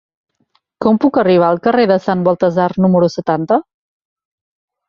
Com puc arribar al carrer de Sant Baltasar número setanta?